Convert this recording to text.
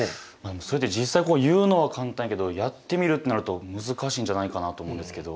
それって実際言うのは簡単やけどやってみるってなると難しいんじゃないかなと思うんですけど。